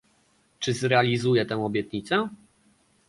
Czy zrealizuje tę obietnicę?